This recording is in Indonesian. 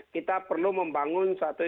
kita perlu membangun satu